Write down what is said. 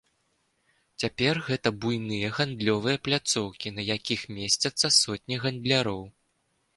Цяпер гэта буйныя гандлёвыя пляцоўкі, на якіх месцяцца сотні гандляроў.